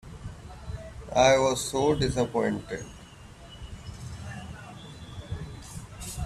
I was so dissapointed.